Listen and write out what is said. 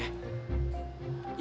ya topeng sama penyamarin itu ya